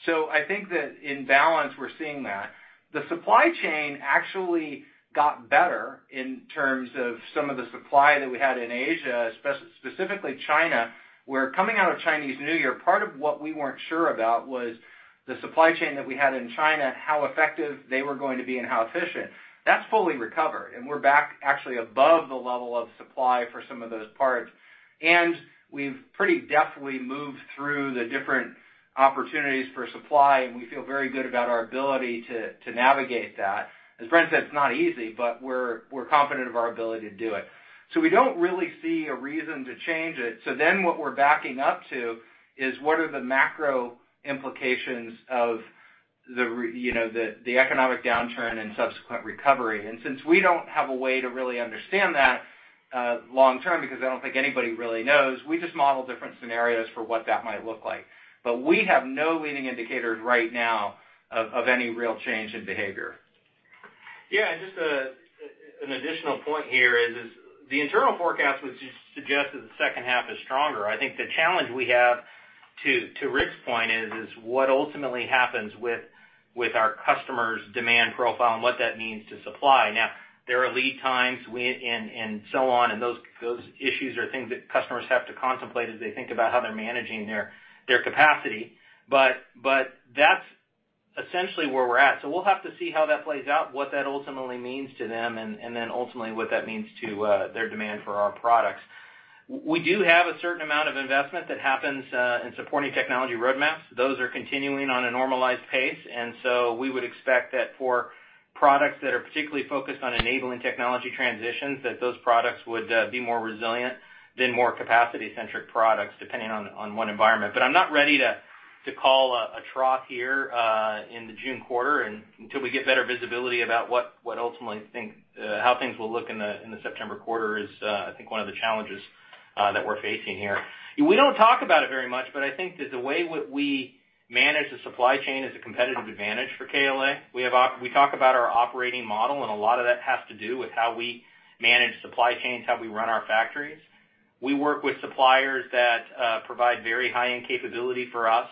I think that in balance, we're seeing that. The supply chain actually got better in terms of some of the supply that we had in Asia, specifically China, where coming out of Chinese New Year, part of what we weren't sure about was the supply chain that we had in China, how effective they were going to be and how efficient. That's fully recovered, and we're back actually above the level of supply for some of those parts. We've pretty deftly moved through the different opportunities for supply, and we feel very good about our ability to navigate that. As Bren said, it's not easy, but we're confident of our ability to do it. We don't really see a reason to change it. What we're backing up to is what are the macro implications of the economic downturn and subsequent recovery. Since we don't have a way to really understand that long term, because I don't think anybody really knows, we just model different scenarios for what that might look like. We have no leading indicators right now of any real change in behavior. Just an additional point here is the internal forecast would suggest that the second half is stronger. I think the challenge we have to Rick's point is what ultimately happens with our customers' demand profile and what that means to supply. There are lead times and so on, those issues are things that customers have to contemplate as they think about how they're managing their capacity. That's essentially where we're at. We'll have to see how that plays out, what that ultimately means to them, ultimately what that means to their demand for our products. We do have a certain amount of investment that happens in supporting technology roadmaps. Those are continuing on a normalized pace, we would expect that for products that are particularly focused on enabling technology transitions, that those products would be more resilient than more capacity-centric products, depending on what environment. I'm not ready to call a trough here in the June quarter until we get better visibility about how things will look in the September quarter is I think one of the challenges that we're facing here. We don't talk about it very much, I think that the way we manage the supply chain is a competitive advantage for KLA. We talk about our operating model, a lot of that has to do with how we manage supply chains, how we run our factories. We work with suppliers that provide very high-end capability for us,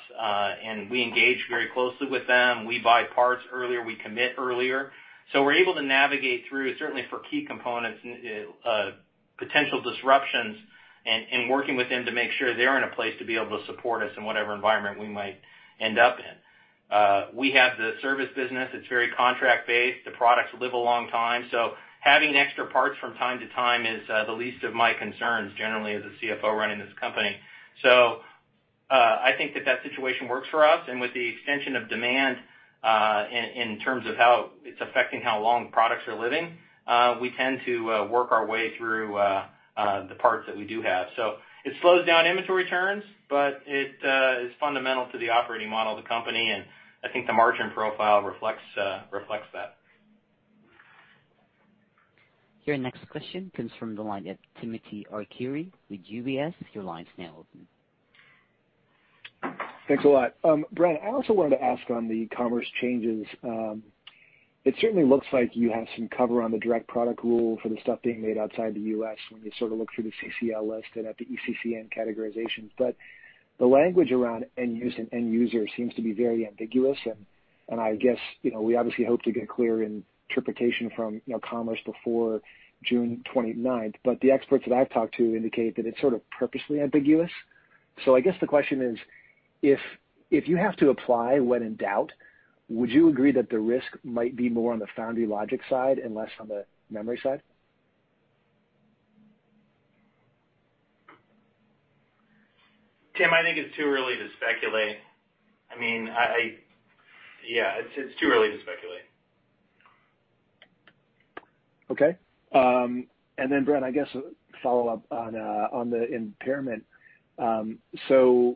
we engage very closely with them. We buy parts earlier, we commit earlier. We're able to navigate through, certainly for key components, potential disruptions and working with them to make sure they're in a place to be able to support us in whatever environment we might end up in. We have the service business. It's very contract based. The products live a long time. Having extra parts from time to time is the least of my concerns generally as a CFO running this company. I think that that situation works for us, and with the extension of demand, in terms of how it's affecting how long products are living, we tend to work our way through the parts that we do have. It slows down inventory turns, but it is fundamental to the operating model of the company, and I think the margin profile reflects that. Your next question comes from the line of Timothy Arcuri with UBS. Your line's now open. Thanks a lot. Bren, I also wanted to ask on the commerce changes. It certainly looks like you have some cover on the direct product rule for the stuff being made outside the U.S. when you sort of look through the CCL list and at the ECCN categorizations. The language around end use and end user seems to be very ambiguous, and I guess we obviously hope to get clear interpretation from commerce before June 29th. The experts that I've talked to indicate that it's sort of purposely ambiguous. I guess the question is, if you have to apply when in doubt, would you agree that the risk might be more on the foundry logic side and less on the memory side? Tim, I think it's too early to speculate. Yeah, it's too early to speculate. Okay. Bren, I guess a follow-up on the impairment. 15%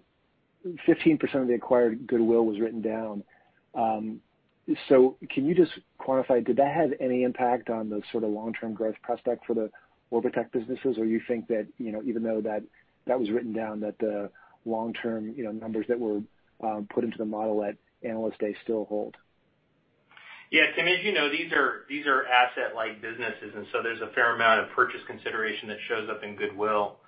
of the acquired goodwill was written down. Can you just quantify, did that have any impact on the sort of long-term growth prospect for the Orbotech businesses? You think that even though that was written down, that the long-term numbers that were put into the model at Analyst Day still hold? Yeah, Tim, as you know, these are asset-light businesses, and so there's a fair amount of purchase consideration that shows up in goodwill.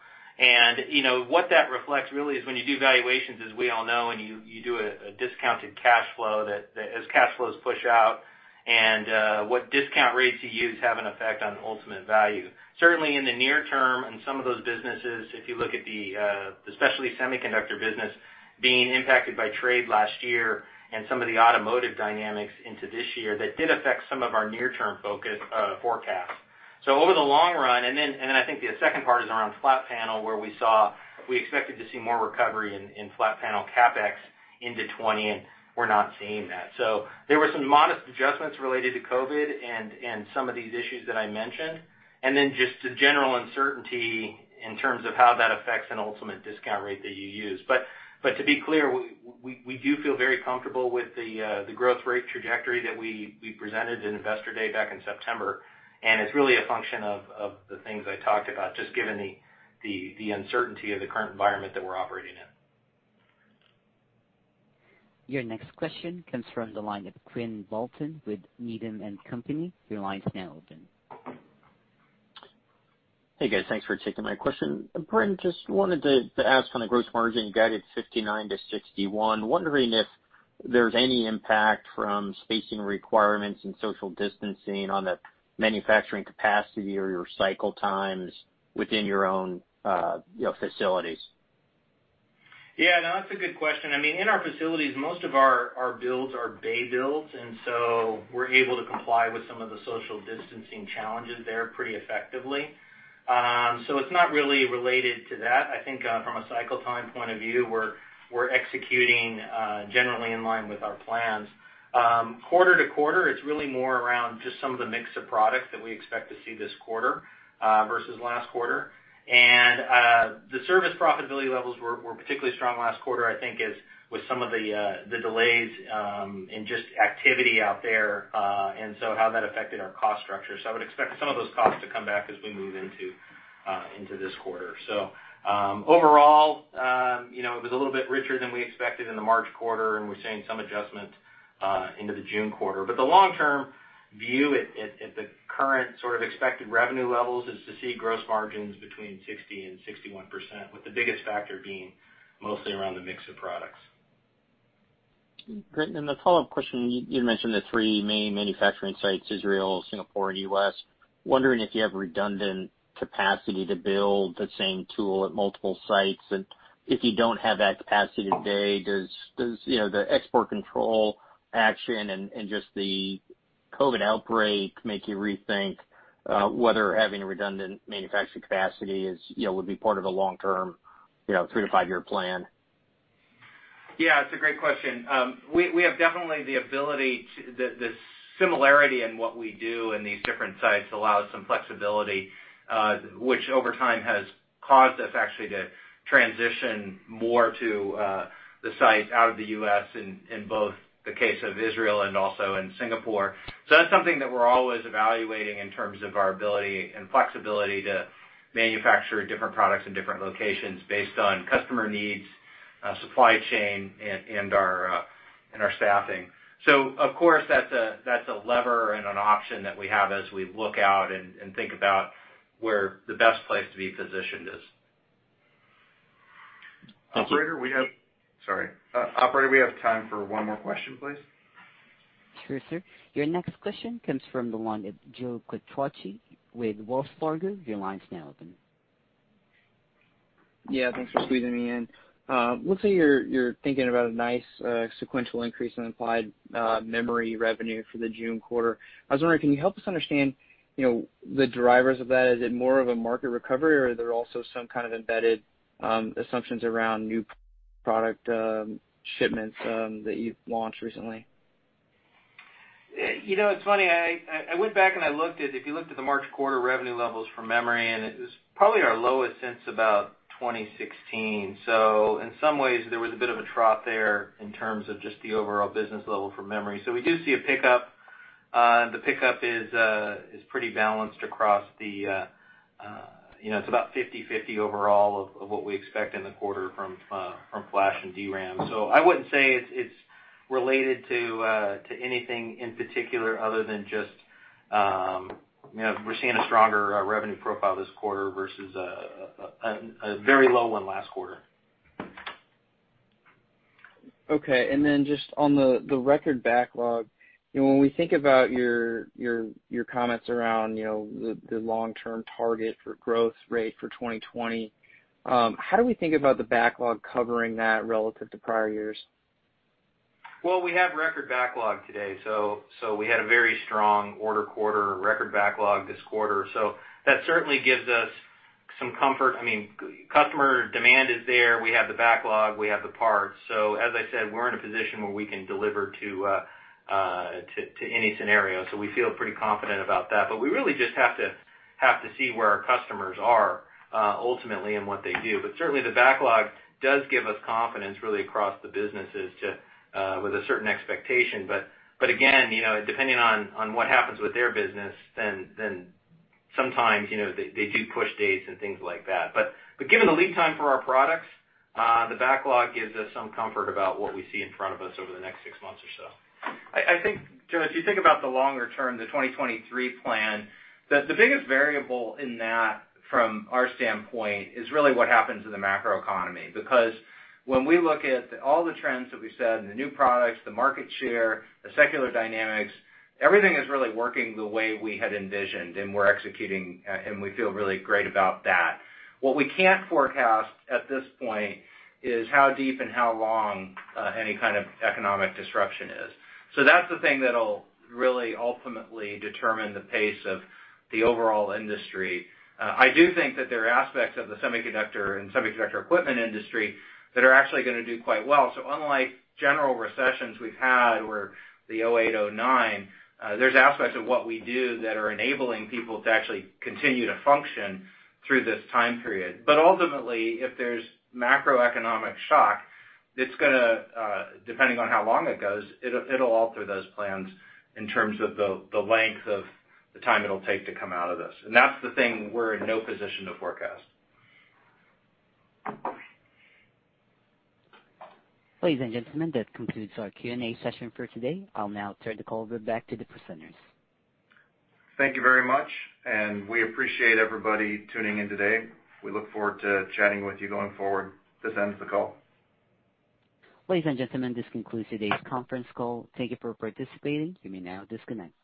What that reflects really is when you do valuations, as we all know, and you do a discounted cash flow, that as cash flows push out and what discount rates you use have an effect on ultimate value. Certainly in the near term in some of those businesses, if you look at the specialty semiconductor business being impacted by trade last year and some of the automotive dynamics into this year, that did affect some of our near-term focus, forecasts. Over the long run, and then I think the second part is around flat panel, where we expected to see more recovery in flat panel CapEx into 2020, and we're not seeing that. There were some modest adjustments related to COVID and some of these issues that I mentioned, and then just the general uncertainty in terms of how that affects an ultimate discount rate that you use. To be clear, we do feel very comfortable with the growth rate trajectory that we presented at Investor Day back in September, and it's really a function of the things I talked about, just given the uncertainty of the current environment that we're operating in. Your next question comes from the line of Quinn Bolton with Needham & Company. Your line is now open. Hey, guys. Thanks for taking my question. Bren, just wanted to ask on the gross margin, you guided 59%-61%. Wondering if there's any impact from spacing requirements and social distancing on the manufacturing capacity or your cycle times within your own facilities? Yeah, no, that's a good question. I mean, in our facilities, most of our builds are bay builds, we're able to comply with some of the social distancing challenges there pretty effectively. It's not really related to that. I think from a cycle time point of view, we're executing generally in line with our plans. Quarter to quarter, it's really more around just some of the mix of products that we expect to see this quarter versus last quarter. The service profitability levels were particularly strong last quarter, I think with some of the delays in just activity out there, how that affected our cost structure. I would expect some of those costs to come back as we move into this quarter. Overall it was a little bit richer than we expected in the March quarter, and we're seeing some adjustment into the June quarter. The long-term view at the current sort of expected revenue levels is to see gross margins between 60% and 61%, with the biggest factor being mostly around the mix of products. Great. The follow-up question, you mentioned the three main manufacturing sites, Israel, Singapore, and U.S. Wondering if you have redundant capacity to build the same tool at multiple sites, and if you don't have that capacity today, does the export control action and just the COVID-19 outbreak make you rethink whether having redundant manufacturing capacity would be part of a long-term, three-to-five-year plan? Yeah, it's a great question. We have definitely the ability, the similarity in what we do in these different sites allows some flexibility, which over time has caused us actually to transition more to the sites out of the U.S. in both the case of Israel and also in Singapore. That's something that we're always evaluating in terms of our ability and flexibility to manufacture different products in different locations based on customer needs, supply chain, and our staffing. Of course, that's a lever and an option that we have as we look out and think about where the best place to be positioned is. Thank you. Operator, we have time for one more question, please. Sure, sir. Your next question comes from the line of Joe Quatrochi with Wells Fargo. Your line's now open. Yeah, thanks for squeezing me in. Looks like you're thinking about a nice sequential increase in implied memory revenue for the June quarter. I was wondering, can you help us understand the drivers of that? Is it more of a market recovery, or are there also some kind of embedded assumptions around new product shipments that you've launched recently? It's funny, I went back and I looked at, if you looked at the March quarter revenue levels for memory, and it was probably our lowest since about 2016. In some ways, there was a bit of a trough there in terms of just the overall business level for memory. We do see a pickup. The pickup is pretty balanced across the, it's about 50/50 overall of what we expect in the quarter from flash and DRAM. I wouldn't say it's related to anything in particular other than just we're seeing a stronger revenue profile this quarter versus a very low one last quarter. Okay, just on the record backlog, when we think about your comments around the long-term target for growth rate for 2020, how do we think about the backlog covering that relative to prior years? Well, we have record backlog today. We had a very strong order quarter, record backlog this quarter. That certainly gives us some comfort. Customer demand is there. We have the backlog. We have the parts. As I said, we're in a position where we can deliver to any scenario, so we feel pretty confident about that. We really just have to see where our customers are ultimately and what they do. Certainly the backlog does give us confidence really across the businesses with a certain expectation. Again, depending on what happens with their business, sometimes they do push dates and things like that. Given the lead time for our products, the backlog gives us some comfort about what we see in front of us over the next six months or so. I think, Joe, if you think about the longer term, the 2023 plan, the biggest variable in that from our standpoint is really what happens in the macroeconomy. When we look at all the trends that we said, the new products, the market share, the secular dynamics, everything is really working the way we had envisioned, and we're executing, and we feel really great about that. What we can't forecast at this point is how deep and how long any kind of economic disruption is. That's the thing that'll really ultimately determine the pace of the overall industry. I do think that there are aspects of the semiconductor and semiconductor equipment industry that are actually going to do quite well. Unlike general recessions we've had, the 2008, 2009, there's aspects of what we do that are enabling people to actually continue to function through this time period. Ultimately, if there's macroeconomic shock, it's going to, depending on how long it goes, it'll alter those plans in terms of the length of the time it'll take to come out of this. That's the thing we're in no position to forecast. Ladies and gentlemen, that concludes our Q&A session for today. I'll now turn the call over back to the presenters. Thank you very much. We appreciate everybody tuning in today. We look forward to chatting with you going forward. This ends the call. Ladies and gentlemen, this concludes today's conference call. Thank you for participating. You may now disconnect.